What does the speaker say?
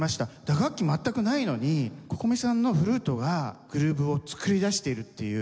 打楽器全くないのにＣｏｃｏｍｉさんのフルートがグルーブを作り出しているっていう。